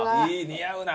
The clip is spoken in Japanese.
似合うな。